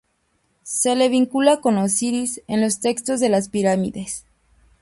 Se le vincula con Osiris en los Textos de las Pirámides.